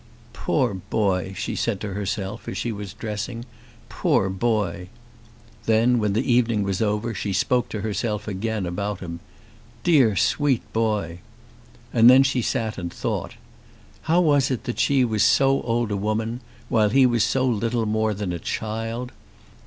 "Poor boy!" she said to herself as she was dressing. "Poor boy!" Then, when the evening was over she spoke to herself again about him. "Dear sweet boy!" And then she sat and thought. How was it that she was so old a woman, while he was so little more than a child?